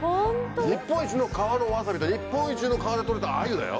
日本一の川のワサビと日本一の川で取れた鮎だよ。